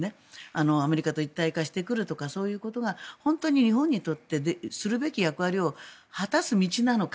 アメリカと一体化してくるとかそういうことが本当に日本にとってするべき役割を果たす道なのか